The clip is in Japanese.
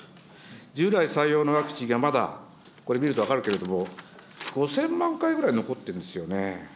従来採用のワクチンがまだ、これ見ると分かるけれども、５０００万回ぐらい残ってるんですよね。